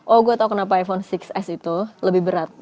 oh gue tau kenapa iphone enam s itu lebih berat